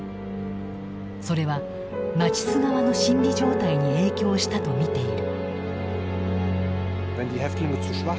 それはナチス側の心理状態に影響したと見ている。